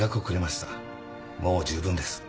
もう十分です。